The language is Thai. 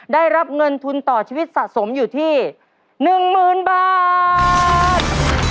ได้รับเงินทุนต่อชีวิตสะสมอยู่ที่๑๐๐๐บาท